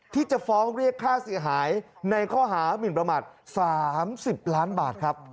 ที่จะฟ้องเรียกค่าเสียหายในข้อหามินประมาท๓๐ล้านบาทครับ